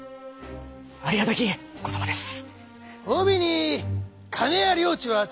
ありがたきお言葉です。